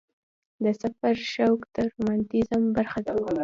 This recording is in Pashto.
د سفر شوق د رومانتیزم برخه ده.